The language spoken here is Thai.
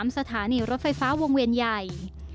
สถานีรถไฟฟ้าวงเวียนใหญ่